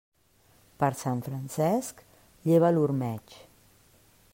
Per Sant Francesc, lleva l'ormeig.